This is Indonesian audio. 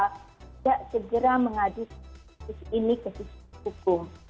tidak segera mengadu ini ke sisi hukum